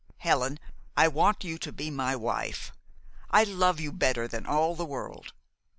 Helen, I want you to be my wife. I love you better than all the world.